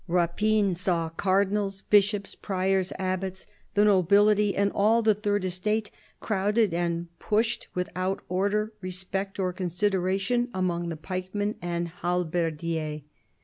Rapine saw " cardinals, bishops, priors, abbots, the nobility and all the Third Estate, crowded and pushed without order, respect, or consideration, among the pike men and halberdiers."